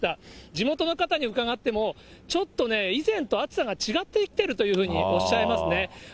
地元の方に伺っても、ちょっとね、以前と暑さが違ってきてるというふうにおっしゃいますね。